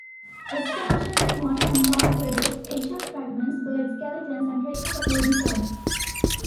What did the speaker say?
Excavations in one compound produced eggshell fragments, bird skeletons, and traces of wooden perches.